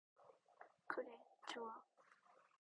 그래, 좋아.